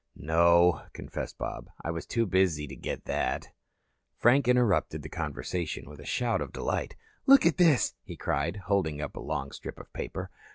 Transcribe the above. "No," confessed Bob. "I was too busy to get that." Frank interrupted the conversation with a shout of delight. "Look at this," he cried, holding up a long strip of paper.